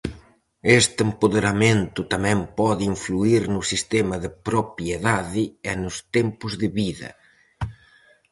Este empoderamento tamén pode influír no sistema de propiedade e nos tempos de vida.